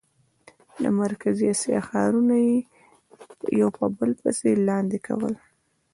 د مرکزي اسیا ښارونه یې یو په بل پسې لاندې کول.